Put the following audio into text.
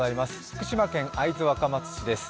福島県会津若松市です。